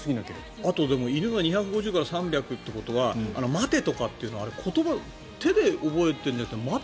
犬が２５０から３００ということは待てとかというのは、あれ手で覚えているんじゃなくて。